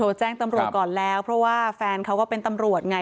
แจ้งตำรวจก่อนแล้วเพราะว่าแฟนเขาก็เป็นตำรวจไง